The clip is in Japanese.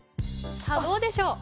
さあどうでしょう？